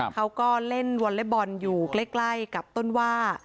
เขาก็เล่นวอลเล็บบอลอยู่ใกล้กับต้นว่า